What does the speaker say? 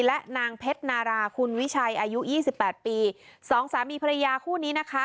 และนางเพชรนาราคุณวิชัยอายุยี่สิบแปดปีสองสามีภรรยาคู่นี้นะคะ